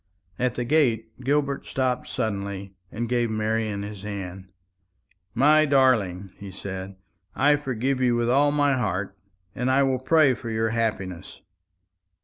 At the gate Gilbert stopped suddenly, and gave Marian his hand. "My darling," he said, "I forgive you with all my heart; and I will pray for your happiness."